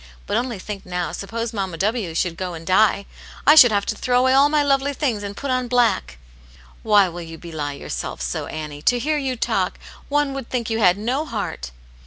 But only think now, suppose Mamma W. should go and die ! I should have to throw away all my lovely things, and put on black." " Why will you belie yourself so, Annie ? To hear you talk, one would think you had no heart."